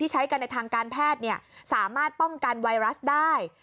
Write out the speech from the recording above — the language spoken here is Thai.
ใช้กันในทางการแพทย์สามารถป้องกันไวรัสได้